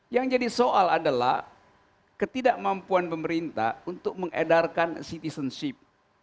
yang jadi soal adalah ketidakmampuan pemerintah untuk mengedarkan citizenship